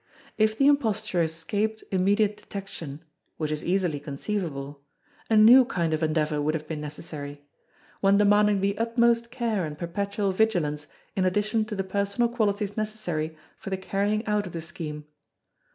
If the imposture escaped immediate detection which is easily conceivable a new kind of endeavour would have been necessary; one demanding the utmost care and perpetual vigilance in addition to the personal qualities necessary for the carrying out of the scheme.